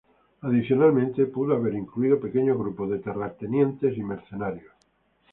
Adicionalmente, pudo haber incluido pequeños grupos de terratenientes y mercenarios.